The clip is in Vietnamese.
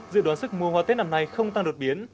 dự đoán sức mua hoa tết năm nay không tăng đột biến